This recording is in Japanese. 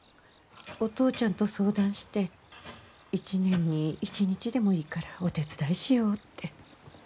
お父ちゃんと相談して一年に一日でもいいからお手伝いしようって。